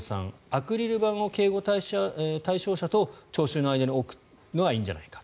アクリル板を警護対象者と聴衆の間に置くのがいいんじゃないか。